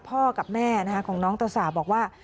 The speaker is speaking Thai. พ่อกับแม่ของน้องตะสาบอกว่า